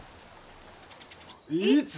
いつ。